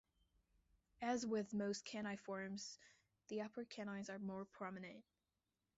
As with most caniforms, the upper canines are prominent.